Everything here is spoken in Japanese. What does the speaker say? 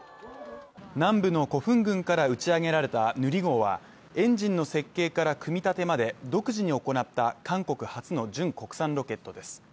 南部のコフン郡から打ち上げられたヌリ号は、エンジンの設計から組み立てまで独自に行った韓国初の純国産ロケットです。